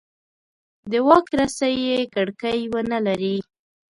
د واک رسۍ یې کړکۍ ونه لري.